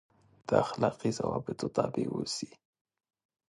دا اخلاقي ضوابطو تابع اوسي.